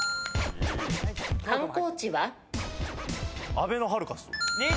あべのハルカス。